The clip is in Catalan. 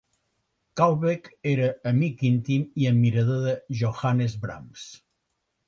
Kalbeck era amic íntim i admirador de Johannes Brahms.